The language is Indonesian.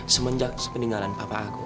semenjak sepeninggalan papa aku